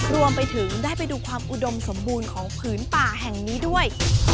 รวมไปถึงได้ไปดูความอุดมสมบูรณ์ของผืนป่าแห่งนี้ด้วย